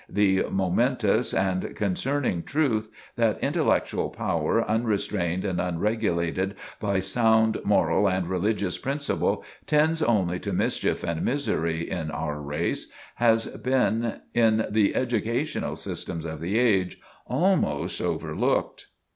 The momentous and concerning truth that intellectual power unrestrained and unregulated by sound moral and religious principle tends only to mischief and misery in our race, has been in the educational systems of the age, almost overlooked."